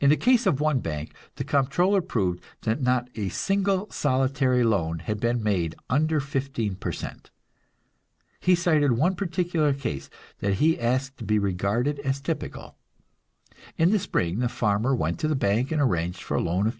In the case of one bank, the Comptroller proved that not a single solitary loan had been made under fifteen per cent. He cited one particular case that he asked to be regarded as typical. In the spring the farmer went to the bank and arranged for a loan of $200.